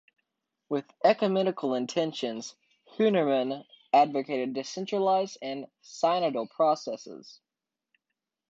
With ecumenical intentions Hünermann advocated decentralized and synodal processes.